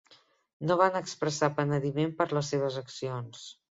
No van expressar penediment per les seves accions.